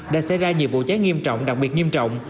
đã xảy ra nhiều vụ cháy nghiêm trọng đặc biệt nghiêm trọng